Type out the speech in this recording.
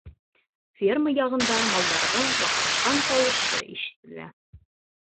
Ферма яғында малдарҙың баҡырышҡан тауышы ишетелә.